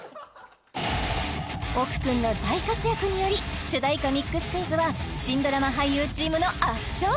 奥君の大活躍により主題歌ＭＩＸクイズは新ドラマ俳優チームの圧勝！